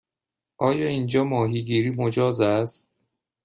آیا اینجا ماهیگیری مجاز است؟